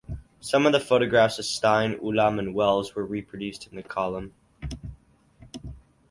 Some of the photographs of Stein, Ulam, and Wells were reproduced in the column.